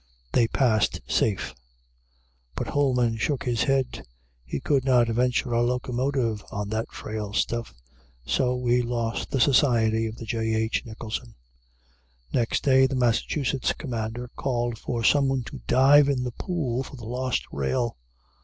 They passed safe. But Homans shook his head. He could not venture a locomotive on that frail stuff. So we lost the society of the "J. H. Nicholson." Next day the Massachusetts commander called for someone to dive in the pool for the lost rail.